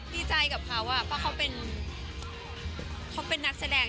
ดีใจกับเขาเพราะเขาเป็นนักแสดง